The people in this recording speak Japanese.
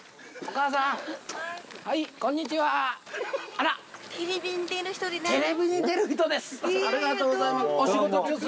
ありがとうございます。